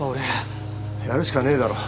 やるしかねえだろ。